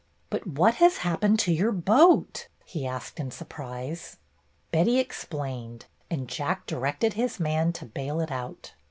"But what has happened to your boat ?" he asked in surprise. Betty explained, and Jack directed his man to bail it out.